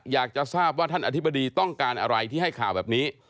อยากจะทราบว่าท่านอธิบดีต้องการอะไรที่ให้ข่าวแบบนี้